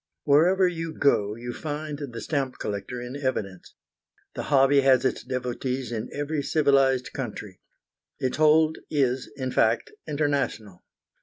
Wherever you go you find the stamp collector in evidence. The hobby has its devotees in every civilised country. Its hold is, in fact, international.